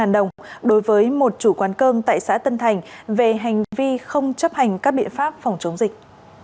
bảy năm trăm linh đồng đối với một chủ quán cơm tại xã tân thành về hành vi không chấp hành các biện pháp phòng chống dịch